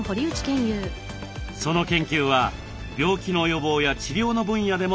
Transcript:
その研究は病気の予防や治療の分野でも進んでいます。